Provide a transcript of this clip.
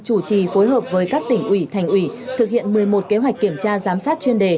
chủ trì phối hợp với các tỉnh ủy thành ủy thực hiện một mươi một kế hoạch kiểm tra giám sát chuyên đề